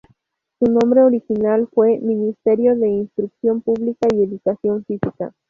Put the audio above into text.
Su nombre original fue Ministerio de Instrucción Pública y Educación Física.